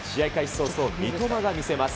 早々、三笘が見せます。